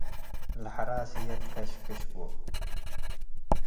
ለሐራስ ህዬ ትከሽክሽ ቡ ።